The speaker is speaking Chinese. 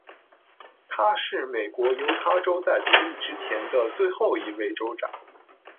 他是美国犹他州在独立之前的最后一位州长。